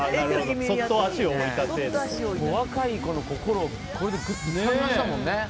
若い子の心をこれでグッとつかみましたもんね。